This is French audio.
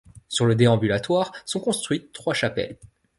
Sur le déambulatoire sont construites trois chapelles.